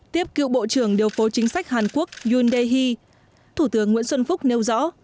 tiếp cựu bộ trưởng điều phố chính sách hàn quốc yoon dae hee thủ tướng nguyễn xuân phúc nêu rõ